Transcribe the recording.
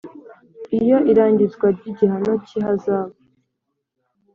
Iyo irangizwa ry igihano cy ihazabu